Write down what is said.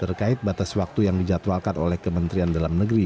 terkait batas waktu yang dijadwalkan oleh kementerian dalam negeri